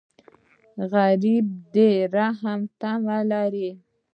غریب د رحم تمه لري